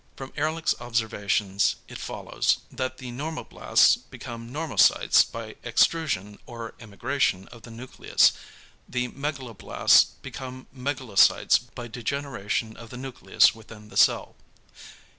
From Ehrlich's observations it follows, that the normoblasts become normocytes by extrusion or emigration of the nucleus, the megaloblasts become megalocytes by degeneration of the nucleus within the cell.